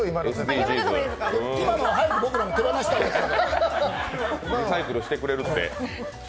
ＳＤＧｓ、リサイクルしてくれるって。